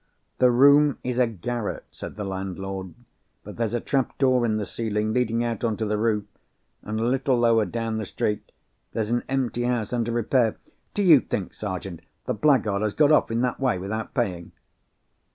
"The room is a garret," said the landlord. "But there's a trap door in the ceiling, leading out on to the roof—and a little lower down the street, there's an empty house under repair. Do you think, Sergeant, the blackguard has got off in that way, without paying?"